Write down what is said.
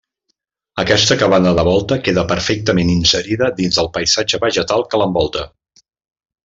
Aquesta cabana de volta queda perfectament inserida dins del paisatge vegetal que l'envolta.